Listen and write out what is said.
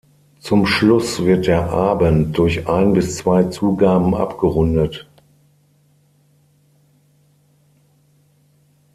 Zum Schluss wird der Abend durch ein bis zwei Zugaben abgerundet.